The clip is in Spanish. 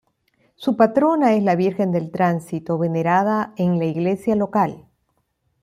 Su patrona es la Virgen del Tránsito venerada en la iglesia local.